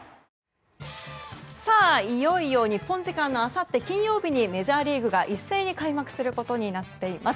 いよいよ日本時間のあさって金曜日にメジャーリーグが一斉に開幕することになっています。